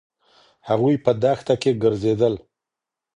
هغوی په دښته کې ګرځېدل.